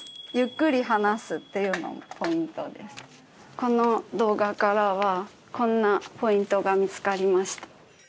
この動画からはこんなポイントが見つかりました。